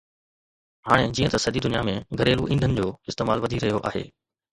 هاڻي جيئن ته سڄي دنيا ۾ گهريلو ايندھن جو استعمال وڌي رهيو آهي